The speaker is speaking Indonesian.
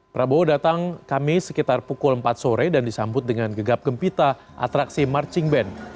prabowo datang kamis sekitar pukul empat sore dan disambut dengan gegap gempita atraksi marching band